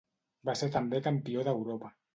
Va ser també campió d'Europa.